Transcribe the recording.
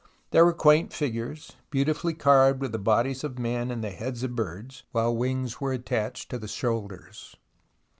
There were quaint figures, beautifully carved with the bodies of men and the heads of birds, while wings were attached to the shoulders.